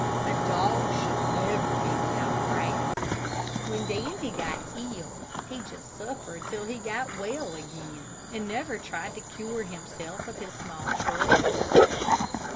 A dog should never be without grass. When Dandy got ill he just suffered till he got well again, and never tried to cure himself of his small troubles.